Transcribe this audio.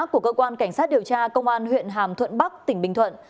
của cơ quan cảnh sát điều tra công an huyện hàm thuận bắc tỉnh bình thuận